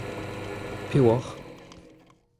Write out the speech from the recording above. Piv ocʼh ?